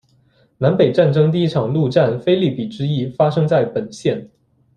南北战争第一场陆战腓立比之役发生在本县。